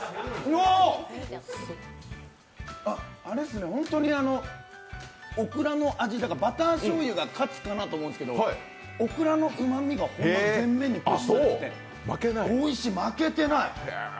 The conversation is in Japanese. おー、ホントにオクラの味というかバターしょうゆが勝つかなと思うんですけどオクラのうまみが前面に出てきておいしい、負けてない。